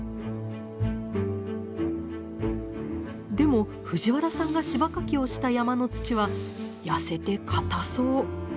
でも藤原さんが柴かきをした山の土は痩せて硬そう。